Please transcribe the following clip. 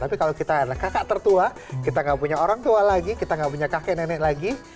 tapi kalau kita adalah kakak tertua kita gak punya orang tua lagi kita gak punya kakek nenek lagi